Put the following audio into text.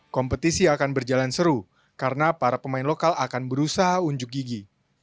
kompetisi akan berjalan seru karena para pemain lokal akan berusaha unjuk gigi